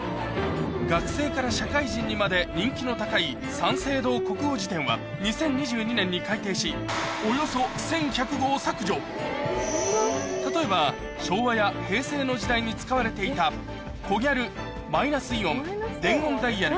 学生から社会人にまで人気の高い『三省堂国語辞典』は２０２２年に改訂し例えば昭和や平成の時代に使われていた「コギャル」「マイナスイオン」「伝言ダイヤル」